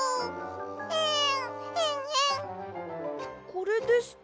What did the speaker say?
これですか？